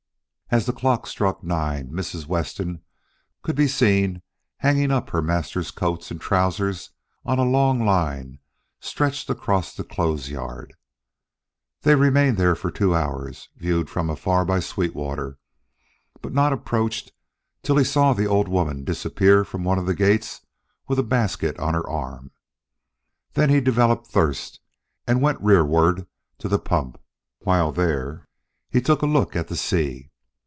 As the clock struck nine Mrs. Weston could be seen hanging up her master's coats and trousers on a long line stretched across the clothes yard. They remained there two hours, viewed from afar by Sweetwater, but not approached till he saw the old woman disappear from one of the gates with a basket on her arm. Then he developed thirst and went rearward to the pump. While there, he took a look at the sea.